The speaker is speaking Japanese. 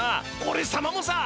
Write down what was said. おれさまもさ！